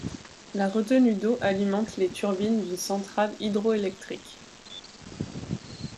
La retenue d'eau alimente les turbines d'une centrale hydroélectrique.